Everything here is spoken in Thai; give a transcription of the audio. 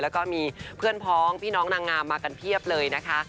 แล้วก็มีเพื่อนพ้องพี่น้องนางงามมากันเพียบเลยนะคะ